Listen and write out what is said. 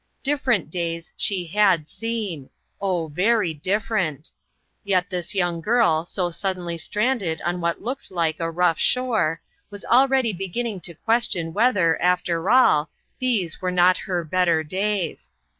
" Different " days she had seen, oh, very different; yet this young girl, so suddenly stranded on what looked like a rough shore, was already beginning to ques tion whether, after all, these were not her "better days."